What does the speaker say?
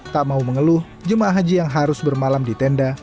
tak mau mengeluh jemaah haji yang harus bermalam di tenda